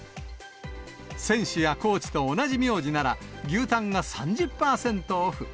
選手やコーチと同じ名字なら、牛タンが３０％オフ。